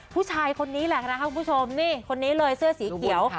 ผู้ชายคนนี้แหละนะคะคุณผู้ชมนี่คนนี้เลยเสื้อสีเขียว